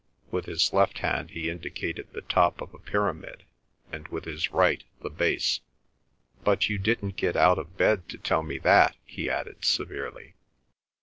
With his left hand he indicated the top of a pyramid, and with his right the base. "But you didn't get out of bed to tell me that," he added severely.